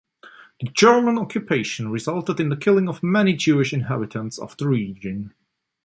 The German occupation resulted in the killing of many Jewish inhabitants of the region.